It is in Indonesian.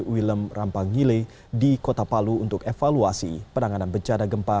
wilem rampang gile di kota palu untuk evaluasi penanganan bencana gempa